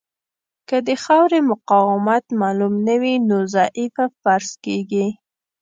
که د خاورې مقاومت معلوم نه وي نو ضعیفه فرض کیږي